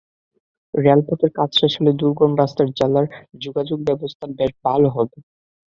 রেলপথের কাজ শেষ হলে দুর্গম বাস্তার জেলার যোগাযোগ ব্যবস্থা বেশ ভালো হবে।